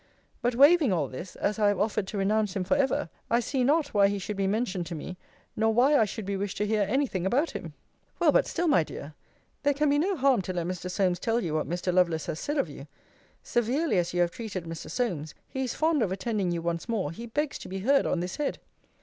But, waving all this, as I have offered to renounce him for ever, I see now why he should be mentioned to me, nor why I should be wished to hear any thing about him. Well, but still, my dear, there can be no harm to let Mr. Solmes tell you what Mr. Lovelace has said of you. Severely as you have treated Mr. Solmes, he is fond of attending you once more: he begs to be heard on this head.